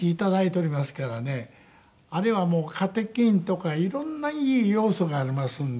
あれはもうカテキンとか色んないい要素がありますので。